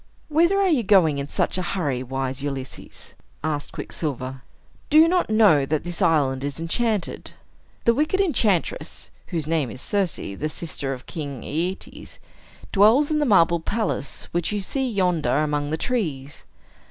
"Whither are you going in such a hurry, wise Ulysses?" asked Quicksilver. "Do you not know that this island is enchanted? The wicked enchantress (whose name is Circe, the sister of King Aetes) dwells in the marble palace which you see yonder among the trees.